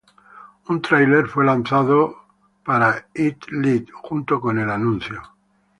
Un trailer fue lanzado para "Eat Lead" junto con el anuncio.